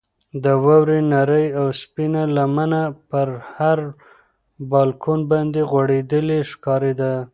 د واورې نرۍ او سپینه لمنه پر هر بالکن باندې غوړېدلې ښکارېده.